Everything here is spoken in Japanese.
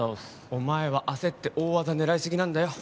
お前は焦って大技狙いすぎなんだよ